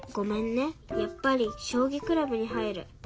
やっぱりしょうぎクラブに入る。